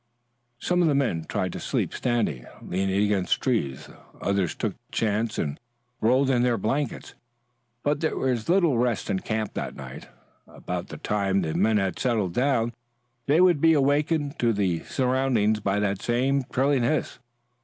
Some of the men tried to sleep standing, leaning against trees. Others took the chance and rolled in their blankets. But there was little rest in the camp that night. About the time the men had settled down, they would be awakened to their surroundings by that same trilling hiss.